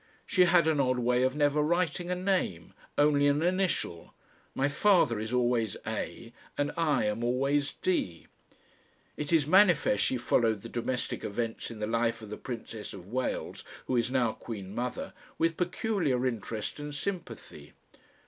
She had an odd way of never writing a name, only an initial; my father is always "A.," and I am always "D." It is manifest she followed the domestic events in the life of the Princess of Wales, who is now Queen Mother, with peculiar interest and sympathy.